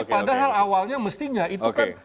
padahal awalnya mestinya itu kan